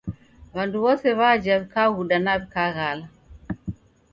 W'andu w'ose w'aja w'ikaghuda na w'ikaghala